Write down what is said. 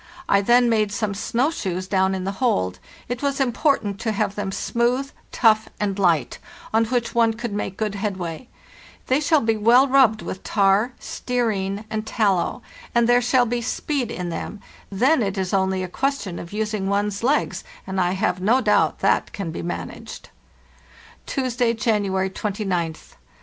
I then made some snow shoes down in the hold; it was important to have them smooth, tough, and light, on which one could make good headway; "they shall be well rubbed with tar, stearine, and tallow, and there shall be speed in them; then it is only a question of using one's legs, and I have no doubt that can be managed. " Tuesday, January 29th.